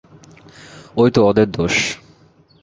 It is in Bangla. ঐ তো ওদের দোষ।